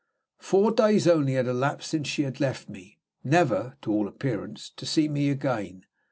Four days only had elapsed since she had left me, never (to all appearance) to see me again.